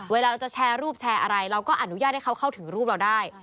เวลาเราจะแชร์รูปแชร์อะไรเราก็อนุญาตให้เขาเข้าถึงรูปเราได้